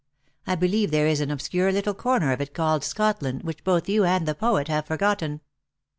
I believe there is an obscure little corner of it called Scotland, which both you and the poet have forgotten."